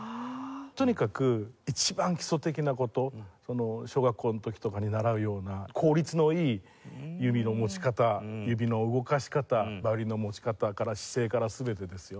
とにかく一番基礎的な事小学校の時とかに習うような効率のいい弓の持ち方指の動かし方ヴァイオリンの持ち方から姿勢から全てですよ。